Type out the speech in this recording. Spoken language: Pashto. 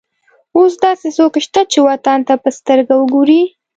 اوس داسې څوک شته چې وطن ته په سترګه وګوري.